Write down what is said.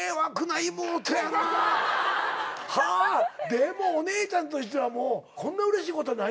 でもお姉ちゃんとしてはこんなうれしいことはないね。